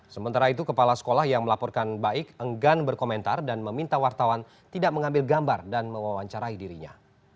sementara itu kepala sekolah yang melaporkan baik enggan berkomentar dan meminta wartawan tidak mengambil gambar dan mewawancarai dirinya